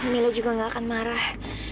mila juga gak akan marah